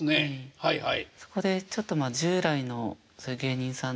はいはい。